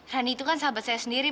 hani itu kan sahabat saya sendiri